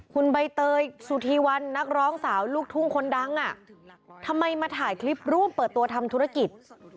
คุณใบเตยสุธีวันนักร้องสาวลูกทุ่งคนดังอ่ะทำไมมาถ่ายคลิปรูปเปิดตัวทำธุรกิจ